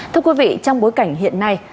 thưa quý vị trong bối cảnh hiện nay